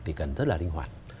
thì cần rất là linh hoạt